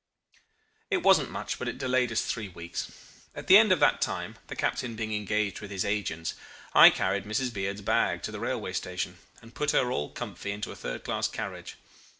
"It wasn't much, but it delayed us three weeks. At the end of that time, the captain being engaged with his agents, I carried Mrs. Beard's bag to the railway station and put her all comfy into a third class carriage.